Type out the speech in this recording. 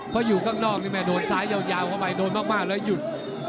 เพราะอยู่ข้างนอกนี่แม่โดนซ้ายยาวเข้าไปโดนมากแล้วหยุด